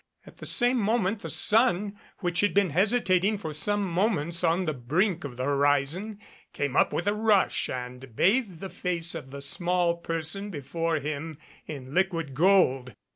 At the same moment the sun, which had been hesitating for some moments on the brink of the horizon, came up with a rush and bathed the face of the small person before him in liquid gold.